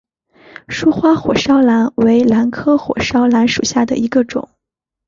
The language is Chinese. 疏花火烧兰为兰科火烧兰属下的一个种。